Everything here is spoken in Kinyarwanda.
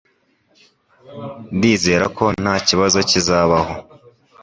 Ndizera ko ntakibazo kizabaho.